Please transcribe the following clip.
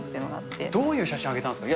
どういう写真を上げたんですか。